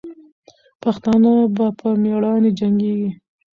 پښتانه به په میړانې جنګېږي.